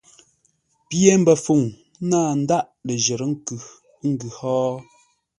Pye mbəfuŋ náa ndǎghʼ ləjərə́ nkʉ, ə́ ngʉ̌ hó?